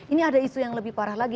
ini ada isu yang lebih parah lagi